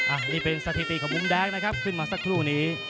อันนี้เป็นสถิติของมุมแดงนะครับขึ้นมาสักครู่นี้